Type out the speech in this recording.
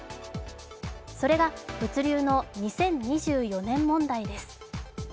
それが、物流の２０２４年問題です。